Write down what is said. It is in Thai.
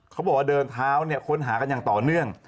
เขาบอกว่าเดินเท้าเนี่ยค้นหากันอย่างต่อเนื่อง